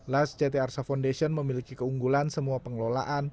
las ct arsa foundation memiliki keunggulan semua pengelolaan